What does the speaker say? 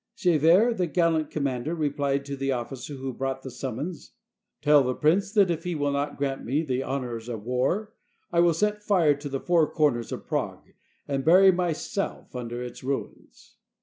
Chevert, the gallant commander, replied to the officer who brought the summons, — "Tell the prince that if he will not grant me the hon ors of war, I will set fire to the four corners of Prague, and bury myself under its ruins."